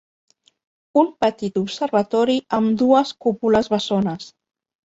Un petit observatori amb dues cúpules bessones